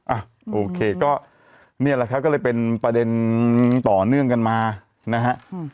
อ่ะโอเคก็นี่แหละครับก็เลยเป็นประเด็นต่อเนื่องกันมานะฮะ